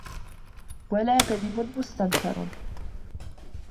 وَلَا كَذِبٌ مُسْتَنْكَرٌ